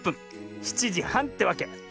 ７じはんってわけ。